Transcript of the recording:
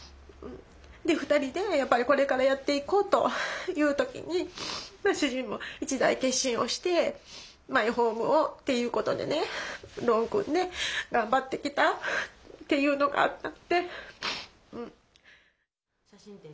で２人でやっぱりこれからやっていこうという時に主人も一大決心をしてマイホームをっていうことでねローンを組んで頑張ってきたっていうのがあったので。